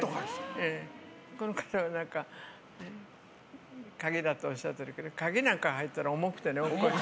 この方、鍵だとおっしゃってるけど鍵なんか入ったら重くてね。